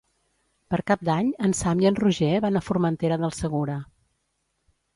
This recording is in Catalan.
Per Cap d'Any en Sam i en Roger van a Formentera del Segura.